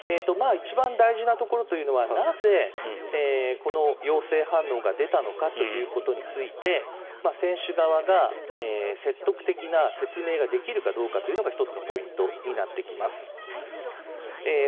一番大事なところはなぜこの陽性反応が出たのかということについて選手側が説得的な説明ができるかどうかというのが１つのポイントになってきます。